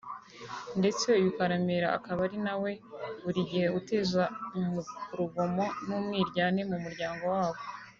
ndetse uyu Karemera akaba ari nawe buri gihe uteza urugomo n’umwiryane mu muryango wabo